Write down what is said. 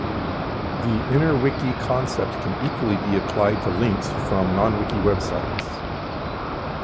The interwiki concept can equally be applied to links "from" non-wiki websites.